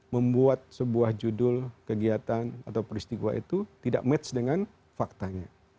membuat sebuah judul kegiatan atau peristiwa itu tidak match dengan faktanya